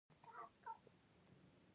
ورزش باید عام شي